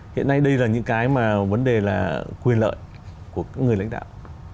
hiện nay đây là những cái mà vấn đề là quyền lợi của các người lãnh đạo